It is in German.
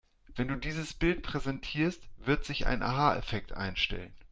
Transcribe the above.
Wenn du dieses Bild präsentierst, wird sich ein Aha-Effekt einstellen.